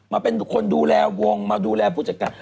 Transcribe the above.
มาเป็นคนดูแลวงมาดูแลผู้จัดการ